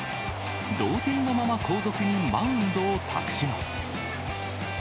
同点のまま後続にマウンドを託します。